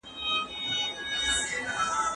سید قطب د حق ږغ و.